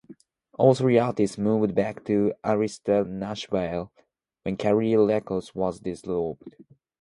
All three artists moved back to Arista Nashville when Career Records was dissolved.